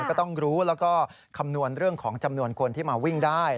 ก็ต้องรู้แล้วก็คำนวณเรื่องของจำนวนคนที่มาวิ่งได้